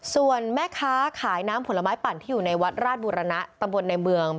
ส่วนแม่ค้าขายน้ำผลไม้ปั่นที่อยู่ในวัดราชบุรณะตำบลในเมือง